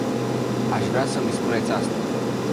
Aș vrea să îmi spuneți asta.